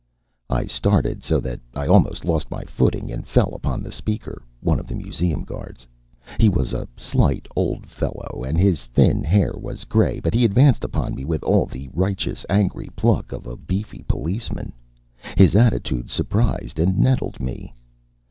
I started so that I almost lost my footing and fell upon the speaker one of the Museum guards. He was a slight old fellow and his thin hair was gray, but he advanced upon me with all the righteous, angry pluck of a beefy policeman. His attitude surprised and nettled me.